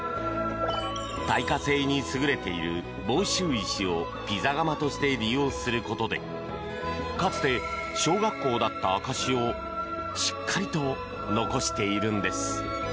耐火性に優れている房州石をピザ窯として利用することでかつて小学校だった証しをしっかりと残しているのです。